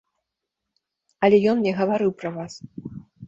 Але ён мне гаварыў пра вас.